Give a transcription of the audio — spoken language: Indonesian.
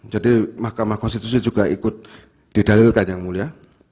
jadi mahkamah konstitusi juga ikut didalilkan yang mulia